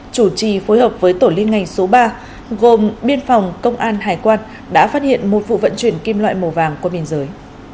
chủ trì phối hợp với tổ liên ngành số ba gồm biên phòng công an hải quan đã phát hiện một vụ vận chuyển kim loại màu vàng qua biên giới